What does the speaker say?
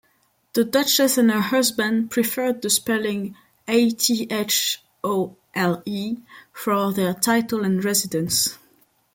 The duchess and her husband preferred the spelling "Athole" for their title and residence.